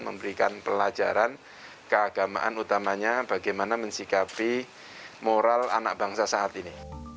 memberikan pelajaran keagamaan utamanya bagaimana mensikapi moral anak bangsa saat ini